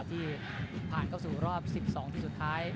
ที่ผ่านเข้าสู่รอบ๑๒ทีมสุดท้าย